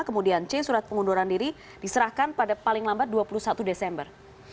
kemudian c surat pengunduran diri diserahkan pada paling lambat dua puluh satu desember